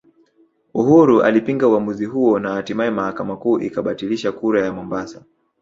Uhuru alipinga uamuzi huo na hatimaye mahakama kuu ikabatilisha kura ya Mombasa